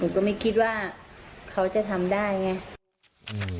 ก็ไม่คิดว่าเขาจะทำได้ไง